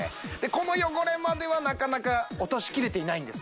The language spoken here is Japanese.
この汚れまではなかなか落としきれていないんです